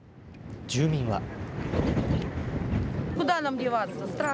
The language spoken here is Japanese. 住民は。